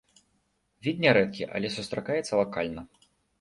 Від нярэдкі, але сустракаецца лакальна.